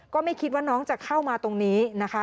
ก็ไม่คิดว่าน้องจะเข้ามาตรงนี้นะคะ